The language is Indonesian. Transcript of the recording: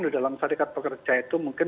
di dalam serikat pekerja itu mungkin